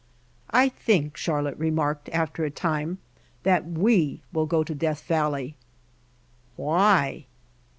"I think," Charlotte remarked after a time, "that we will go to Death Valley." "Why?"